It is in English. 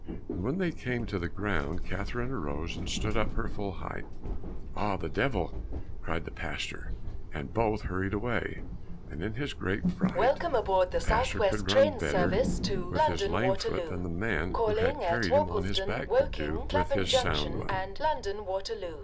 And when they came to the ground, Catherine arose and stood up her full height. "Ah, the devil!" cried the pastor, and both hurried away, and in his great fright the pastor could run better with his lame foot than the man who had carried him on his back could do with his sound one.